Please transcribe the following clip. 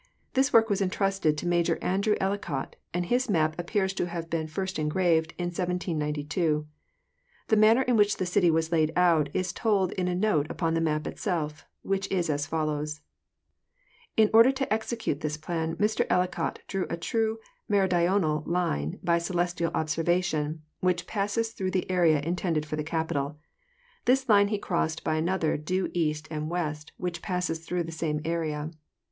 This work was entrusted to Major Andrew Ellicott, and his map appears to have been first engraved in 1792. The manner in which the city was laid out is told in a note upon the map itself, 'which is as follows: In order to execute this plan, Mr Ellicott drew a true meridional line by celestial observation, which passes through the area intended for the Capitol; this line he crossed by another due east and west, which passes thfough the same area.